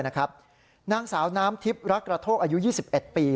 นางสาวน้ำทิพย์รักกระโทกอายุ๒๑ปี